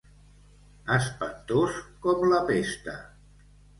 Espantós com la pesta.